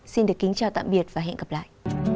xin được kính chào tạm biệt và hẹn gặp lại